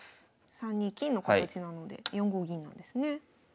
３二金の形なので４五銀なんですね。